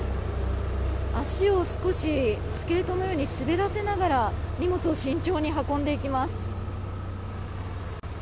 足を少しスケートのように滑らせながら荷物を慎重に運んでいきます。